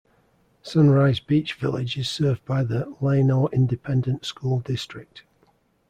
Sunrise Beach Village is served by the Llano Independent School District.